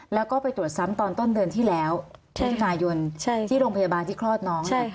แล้วก็ไปตรวจซ้ำตอนต้นเดือนที่แล้วพฤศจิกายนที่โรงพยาบาลที่คลอดน้อง